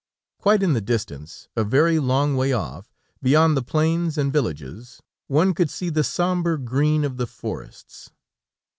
Quite in the distance, a very long way off, beyond the plains and villages, one could see the somber green of the forests.